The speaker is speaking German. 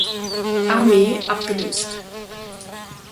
Armee abgelöst.